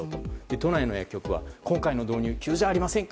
都内の薬局は今回の導入急じゃありませんか？